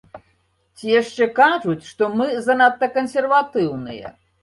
Ці яшчэ кажуць, што мы занадта кансерватыўныя.